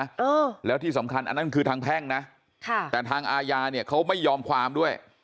เออแล้วที่สำคัญอันนั้นคือทางแพ่งนะค่ะแต่ทางอาญาเนี่ยเขาไม่ยอมความด้วย